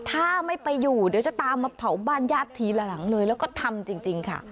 ถ้าไม่ไปอยู่เดี๋ยวจะตามมาเผาบ้านญาติทีละหลังเลยแล้วก็ทำจริงค่ะ